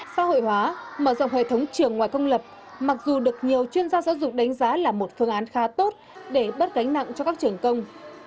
xã hội hóa mở rộng hệ thống trường ngoài công lập mặc dù được nhiều chuyên gia giáo dục đánh giá là một phương án khá tốt để bớt gánh nặng cho các trường công